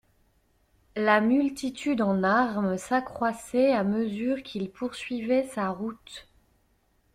La multitude en armes s'accroissait à mesure qu'il poursuivait sa route.